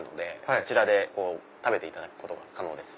そちらで食べていただくことが可能です。